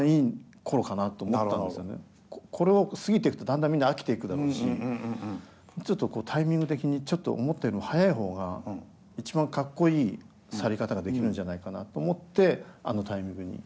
これを過ぎていくとだんだんみんな飽きていくだろうしちょっとこうタイミング的にちょっと思ったよりも早い方が一番かっこいい去り方ができるんじゃないかなと思ってあのタイミングに。